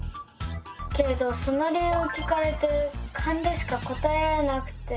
けれどその理由を聞かれてカンでしか答えられなくて。